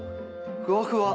ふわふわ。